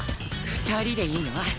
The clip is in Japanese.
２人でいいの？